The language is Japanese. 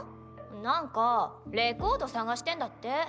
なんかレコード探してんだって。